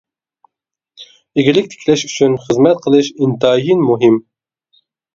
ئىگىلىك تىكلەش ئۈچۈن خىزمەت قىلىش ئىنتايىن مۇھىم.